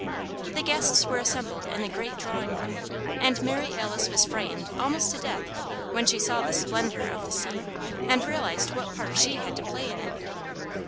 The guests were assembled in the great drawing room, and Mary Alice was frightened almost to death when she saw the splendour of the scene and realized what part she had to play in it.